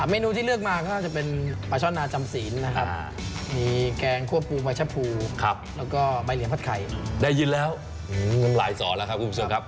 ๓เมนูที่เลือกมาก็จะเป็นปลาช่อนปลาจำสีนนะครับ